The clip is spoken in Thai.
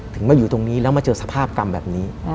มาอยู่ตรงนี้แล้วมาเจอสภาพกรรมแบบนี้